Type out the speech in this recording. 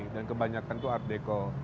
dan kebanyakan itu art deko